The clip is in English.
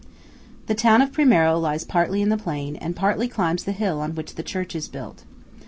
THE town of Primiero lies partly in the plain, and partly climbs the hill on which the church is built.